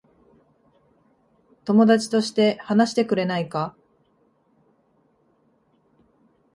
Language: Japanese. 友達として話してくれないか。